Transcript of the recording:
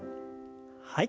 はい。